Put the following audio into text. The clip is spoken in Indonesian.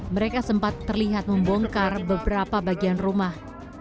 mereka sempat terlihat membongkar beberapa bagian rumah